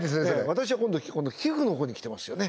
私は今度皮膚の方にきてますよね